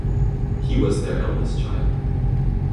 He was their eldest child.